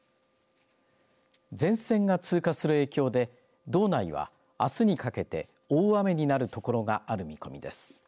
前線が通過する影響で道内はあすにかけて大雨になるところがある見込みです。